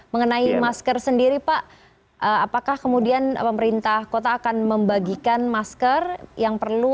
mengenai masker sendiri pak apakah kemudian pemerintah kota akan membagikan masker yang perlu